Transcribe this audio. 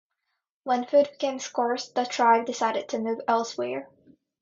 When food became scarce the tribe decided to move elsewhere.